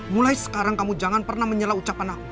mulai sekarang kamu jangan pernah menyalah ucapan aku